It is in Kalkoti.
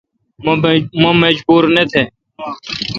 مہ مجبور نہ تھ۔